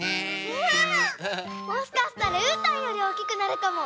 もしかしたらうーたんよりおおきくなるかも！